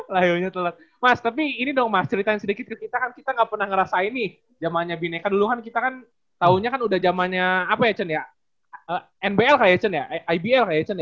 lahirnya terlambat mas tapi ini dong mas ceritain sedikit kita kan kita gak pernah ngerasain nih jamannya bineka dulu kan kita kan tahunnya kan udah jamannya apa ya cen ya nbl kayaknya ya ibl kayaknya ya cen ya